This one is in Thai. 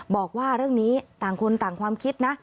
บอกว่าเรื่องนี้ต่างคนต่างความคิดนะ